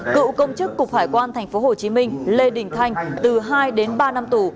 cựu công chức cục hải quan tp hcm lê đình thanh từ hai đến ba năm tù